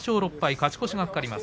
勝ち越しが懸かります。